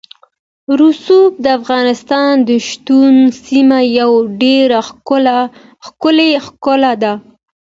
رسوب د افغانستان د شنو سیمو یوه ډېره ښکلې ښکلا ده.